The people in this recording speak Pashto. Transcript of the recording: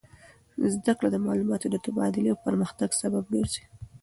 زده کړه د معلوماتو د تبادلې او پرمختګ سبب ګرځي.